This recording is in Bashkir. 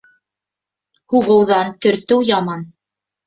Һуғыуҙан төртөү яман.